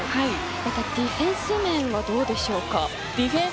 ディフェンス面はどうでしょうか。